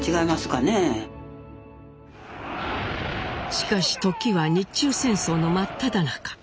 しかし時は日中戦争の真っただ中。